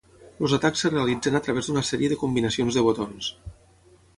Els atacs es realitzen a través d'una sèrie de combinacions de botons.